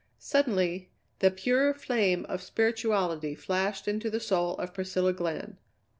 Suddenly the pure flame of spirituality flashed into the soul of Priscilla Glenn.